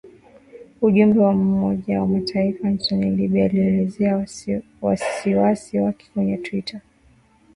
Ujumbe wa Umoja wa Mataifa nchini Libya ulielezea wasiwasi wake kwenye twitter